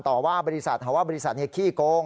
ต่อว่าบริษัทหาว่าบริษัทขี้โกง